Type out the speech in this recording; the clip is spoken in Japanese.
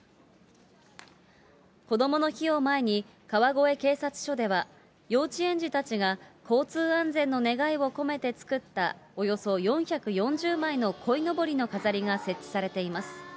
こどもの日を前に、川越警察署では、幼稚園児たちが交通安全の願いを込めて作った、およそ４４０枚のこいのぼりの飾りが設置されています。